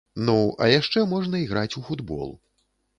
Ну, а яшчэ можна іграць у футбол.